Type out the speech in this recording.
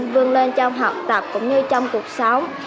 vươn lên trong học tập cũng như trong cuộc sống